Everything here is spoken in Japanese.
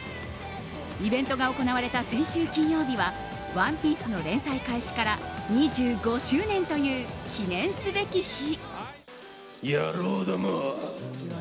イベントが行われた先週金曜日は「ＯＮＥＰＩＥＣＥ」の連載開始から２５周年という記念すべき日。